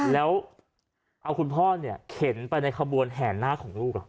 แล้วเอาคุณพ่อเนี่ยเข็นไปในขบวนแห่หน้าของลูก